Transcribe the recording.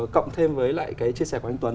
cộng thêm với lại cái chia sẻ của anh tuấn